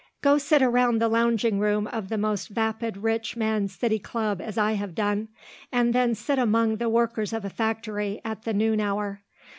Go sit around the lounging room of the most vapid rich man's city club as I have done, and then sit among the workers of a factory at the noon hour.